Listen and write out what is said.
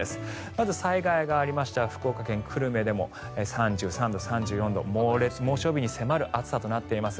まず災害がありました福岡県の久留米でも３３度、３４度猛暑日に迫る暑さとなっています。